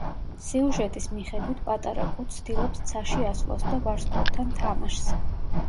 სიუჟეტის მიხედვით, პატარა კუ ცდილობს ცაში ასვლას და ვარსკვლავთან თამაშს.